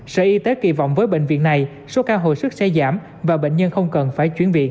sở y tế kỳ vọng với bệnh viện này số ca hồi sức sẽ giảm và bệnh nhân không cần phải chuyển viện